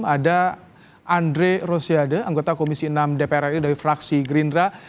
ada andre rosiade anggota komisi enam dpr ri dari fraksi gerindra